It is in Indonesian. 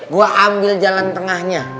gua ambil jalan tengahnya